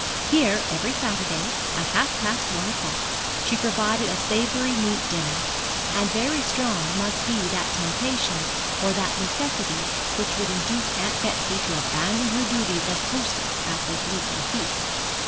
Here every Saturday, at half past one o'clock, she provided a savoury meat dinner; and very strong must be that temptation or that necessity which would induce Aunt Betsy to abandon her duties as hostess at this weekly feast.